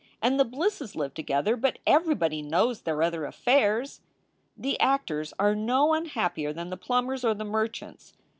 And the Blisses live together, but everybody knows their other affairs." "The actors are no unhappier than the plumbers or the merchants.